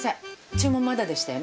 注文まだでしたよね？